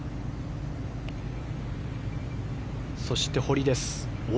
そして堀です。